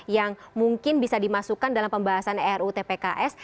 yang mungkin bisa dimasukkan dalam pembahasan rutpks